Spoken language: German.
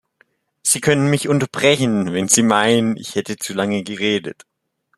Sie können mich unterbrechen, wenn Sie meinen, ich hätte zu lange geredet.